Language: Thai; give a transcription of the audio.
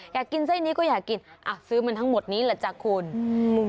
อยากกินไส้นี้ก็อยากกินซื้อมันทั้งหมดนี้แหละจ้ะคุณ